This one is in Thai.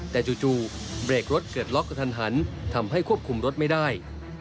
แต่จู่เบรกรถเกิดล็อกกระทันหันทำให้ควบคุมรถไม่ได้